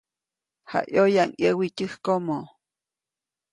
Jaʼyoyaʼuŋ ʼyäwi tyäjkomo.